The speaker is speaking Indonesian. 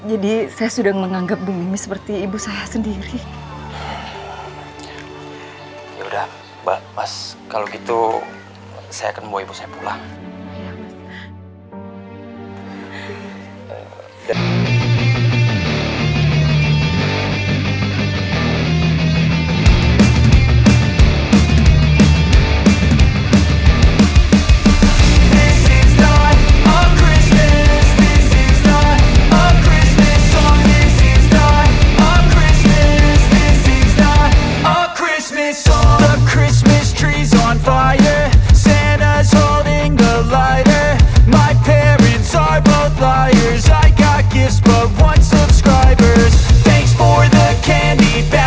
assalamualaikum assalamualaikum waalaikumsalam mas edo ya oh iya bu anissa gimana keadaan ibu